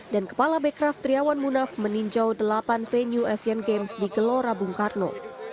kepala bekraf triawan munaf meninjau delapan venue asian games di gelora bung karno